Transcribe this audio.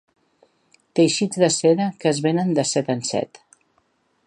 Teixits de seda que es venen de set en set.